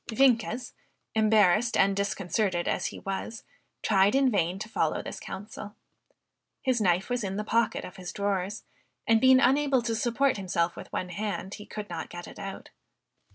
Vienkes, embarrassed and disconcerted as he was, tried in vain to follow this counsel. His knife was in the pocket of his drawers; and, being unable to support himself with one hand, he could not get it out.